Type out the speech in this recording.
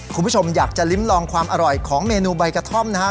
คุณผู้ชมอยากจะลิ้มลองความอร่อยของเมนูใบกระท่อมนะฮะ